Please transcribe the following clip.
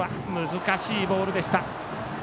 難しいボールでした。